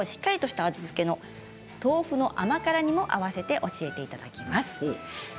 そしておかゆにぴったりのしっかりとした味付けの豆腐の甘辛煮もあわせて教えていただきます。